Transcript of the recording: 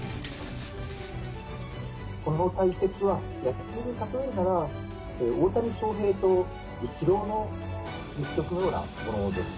この対決は、野球で例えるなら、大谷翔平とイチローの激突のようなものですね。